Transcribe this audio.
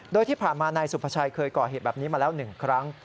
โดยที่ผ่านมานายสุภาชัยเคยก่อเหตุแบบนี้มาแล้ว๑ครั้ง